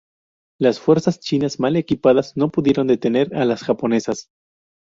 Las fuerzas chinas, mal equipadas, no pudieron detener a las japonesas.